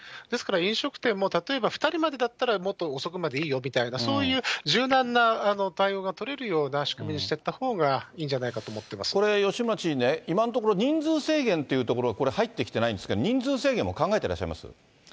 ですから、飲食店も例えば２人までだったら、もっと遅くまでいいよみたいな、そういう柔軟な対応が取れるような仕組みにしてったほうがいいんこれ、吉村知事ね、今のところ、人数制限というところ、これ、入ってないんですが、人数制限も考えてらっしゃいます？